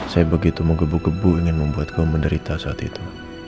saya begitu menggebu gebu ingin membuat kau menderita saat itu